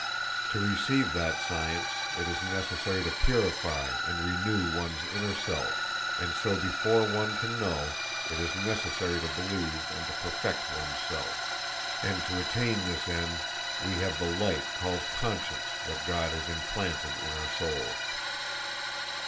To receive that science it is necessary to purify and renew one's inner self, and so before one can know, it is necessary to believe and to perfect one's self. And to attain this end, we have the light called conscience that God has implanted in our souls."